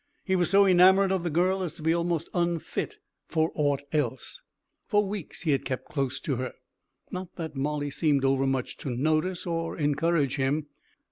He was so enamored of the girl as to be almost unfit for aught else. For weeks he had kept close to her. Not that Molly seemed over much to notice or encourage him.